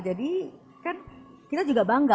jadi kan kita juga bangga